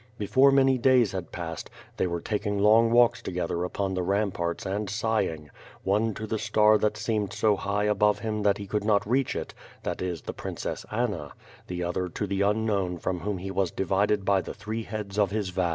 Before many days had passed, they were taking long walks together upon the ramparts and sighing — one to the star that seemed so high above him that he could not reach it, that is, the Princess Anna — the other to the un known from whom he was divided by the three heads of his vow.